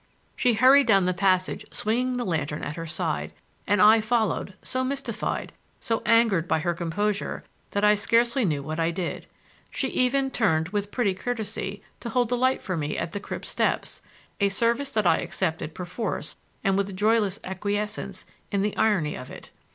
She hurried down the passage swinging the lantern at her side, and I followed, so mystified, so angered by her composure, that I scarcely knew what I did. She even turned, with pretty courtesy, to hold the light for me at the crypt steps,—a service that I accepted perforce and with joyless acquiescence in the irony of it.